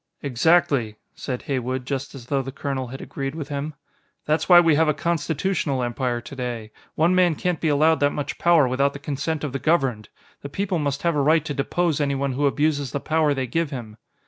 "Exactly," said Heywood, just as though the colonel had agreed with him. "That's why we have a constitutional Empire today. One man can't be allowed that much power without the consent of the governed. The people must have a right to depose anyone who abuses the power they give him."